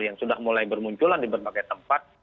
yang sudah mulai bermunculan di berbagai tempat